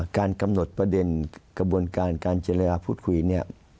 การกำหนดประเด็นกระบวนการการเจรจาพูดคุยเนี่ย